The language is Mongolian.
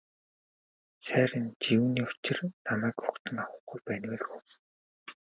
Сайран чи юуны учир намайг угтан авахгүй байна вэ хө.